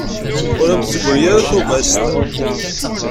Ur am-d-teggri ara tumast.